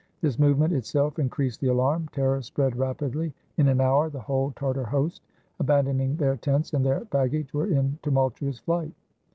This movement itself increased the alarm. Terror spread rapidly. In an hour, the whole Tartar host, abandoning their tents and their baggage, were in timiultuous flight.